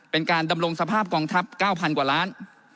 เป็นการดำรงสภาพกองทัพ๙๐๐กว่าล้าน